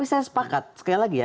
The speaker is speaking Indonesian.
saya sepakat sekali lagi ya